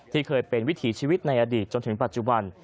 ที่เคยเป็นวิถีชีวิตในอดีตจนถึงปัจจุบัน